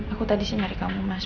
aku tadi sih nari kamu mas